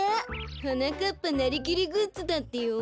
はなかっぱなりきりグッズだってよ。